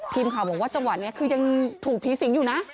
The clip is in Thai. ครีมค่ะว่าจังหวัดนี้คือยังถูกผีสิงหรูนะ